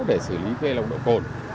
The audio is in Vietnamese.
để xử lý về nồng độ cồn